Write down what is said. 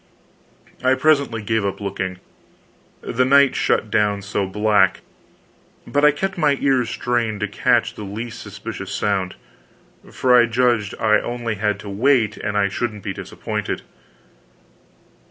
I presently gave up looking, the night shut down so black, but I kept my ears strained to catch the least suspicious sound, for I judged I had only to wait, and I shouldn't be disappointed.